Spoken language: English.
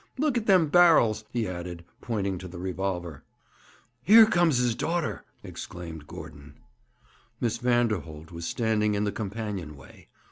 Look at them barrels!' he added, pointing to the revolver. 'Here comes his daughter,' exclaimed Gordon. Miss Vanderholt was standing in the companion way.